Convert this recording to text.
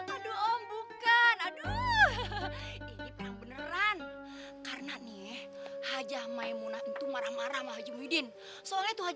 aduh bukan aduh beneran karena nih aja main muna itu marah marah maju midin soalnya tuh